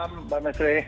selamat malam mbak mestre